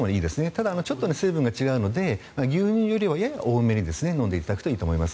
ただ、ちょっと成分が違うので牛乳よりはやや多めに飲んでいただくといいと思います。